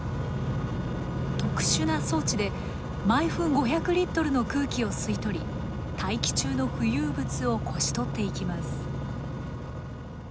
特殊な装置で毎分５００リットルの空気を吸い取り大気中の浮遊物をこし取っていきます。